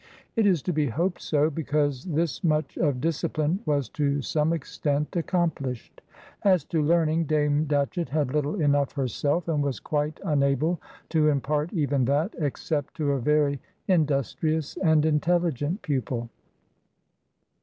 It is to be hoped so, because this much of discipline was to some extent accomplished. As to learning, Dame Datchett had little enough herself, and was quite unable to impart even that, except to a very industrious and intelligent pupil.